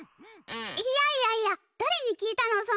いやいやいやだれに聞いたの？